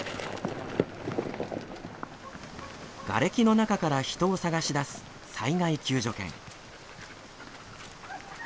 がれきの中から人を捜し出す災害救助犬。